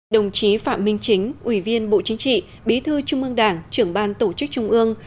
đồng chí phạm minh chính ủy viên bộ chính trị bí thư trung ương đảng trưởng ban tổ chức trung ương